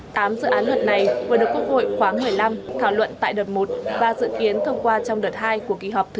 tám dự án luật này vừa được quốc hội khóa một mươi năm thảo luận tại đợt một và dự kiến thông qua trong đợt hai của kỳ họp thứ sáu